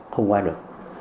không quay được